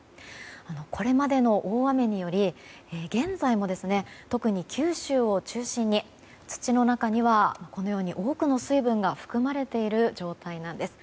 これまでの大雨により現在も特に九州を中心に土の中には多くの水分が含まれている状態なんです。